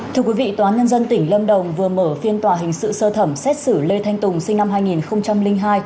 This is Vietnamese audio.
thưa quý vị tòa nhân dân tỉnh lâm đồng vừa mở phiên tòa hình sự sơ thẩm xét xử lê thanh tùng sinh năm hai nghìn hai